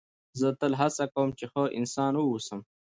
زه تل هڅه کوم، چي ښه انسان واوسم.